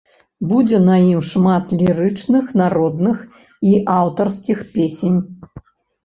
Будзе на ім шмат лірычных, народных і аўтарскіх песень.